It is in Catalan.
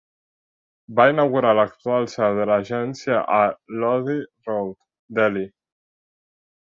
Va inaugurar l'actual seu de l'agència a Lodhi Road, Delhi.